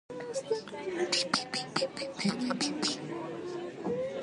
Its western border was the Genesee River and its eastern border was Seneca Lake.